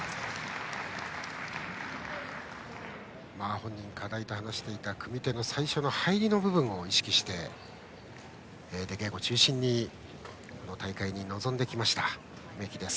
本人課題と話していた組み手の最初の入りの部分を意識して、出稽古中心にこの大会に臨んできました、梅木。